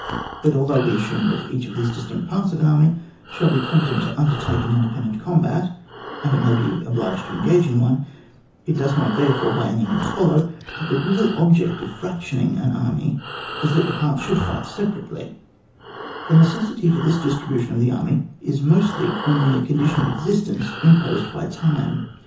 But although we assume that each of these distinct parts of an army shall be competent to undertake an independent combat, and it may be obliged to Qngage in one, it does not therefore by any means follow that the real object of fractioning an army is that the parts should fight separately ; the necessity for this distri bution of the army is mostly only a con dition of existence imposed by time.